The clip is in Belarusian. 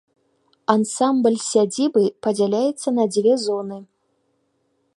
Ансамбль сядзібы падзяляецца на дзве зоны.